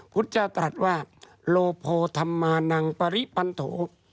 พุทธจากตรัสว่าโลโภธัมมานังปริปันโถ